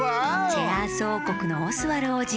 チェアースおうこくのオスワルおうじ。